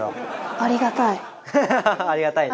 ありがたいね。